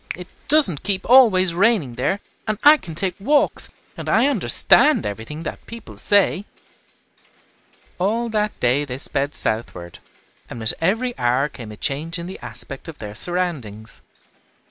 "It doesn't keep always raining there, and I can take walks, and I understand everything that people say." All that day they sped southward, and with every hour came a change in the aspect of their surroundings.